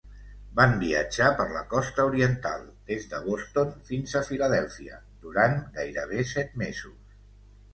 Van viatjar per la costa oriental, des de Boston fins a Filadèlfia, durant gairebé set mesos.